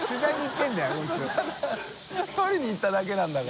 ただ撮りに行っただけなんだから。